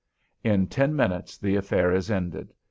In ten minutes the affair is ended.